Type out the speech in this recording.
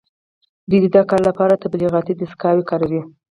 دوی د دې کار لپاره تبلیغاتي دستګاوې کاروي